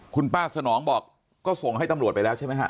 คุณป้าสนองบอกก็ส่งให้ตำรวจไปแล้วใช่ไหมฮะ